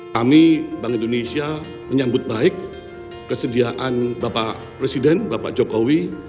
kami bank indonesia menyambut baik kesediaan bapak presiden bapak jokowi